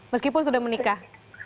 meskipun sudah menikah